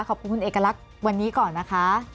ขอบคุณคุณเอกลักษณ์วันนี้ก่อนนะคะ